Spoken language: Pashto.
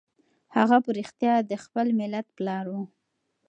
هغه په رښتیا د خپل ملت پلار و.